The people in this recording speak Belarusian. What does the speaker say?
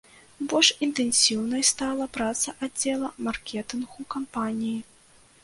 Больш інтэнсіўнай стала праца аддзела маркетынгу кампаніі.